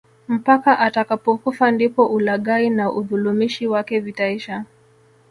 Mpaka atakapokufa ndipo ulaghai na udhulumishi wake vitaisha